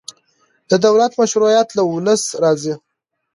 د دولت مشروعیت له ولس راځي